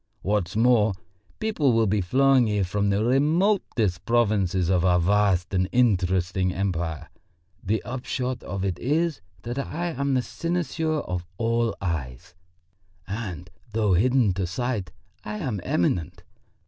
What's more, people will be flowing here from the remotest provinces of our vast and interesting empire. The upshot of it is that I am the cynosure of all eyes, and though hidden to sight, I am eminent.